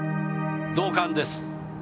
同感です。